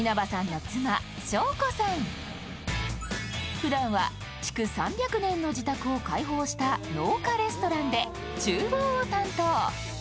ふだんは築３００年の自宅を開放した農家レストランで厨房を担当。